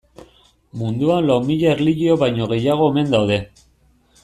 Munduan lau mila erlijio baino gehiago omen daude.